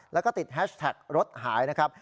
แล้วก็ติดแฮชแท็กรถหายนะครับ